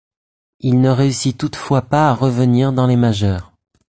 Il ne réussit toutefois pas à revenir dans les majeures.